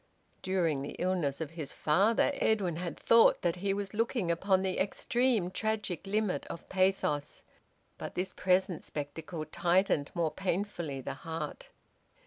During the illness of his father Edwin had thought that he was looking upon the extreme tragic limit of pathos, but this present spectacle tightened more painfully the heart.